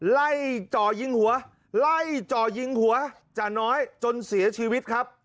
ไล่จ่อยิงหัวไล่จ่อยิงหัวจ่าน้อยจนเสียชีวิตครับ